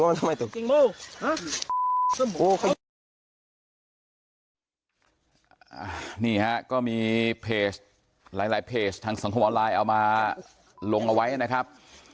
นี่ฮะก็มีเพจหลายเพจทางสังคมออนไลน์เอามาลงเอาไว้นะครับ